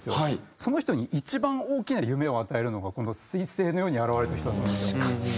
その人に一番大きな夢を与えるのがこの彗星のように現れた人だと思うんですよ。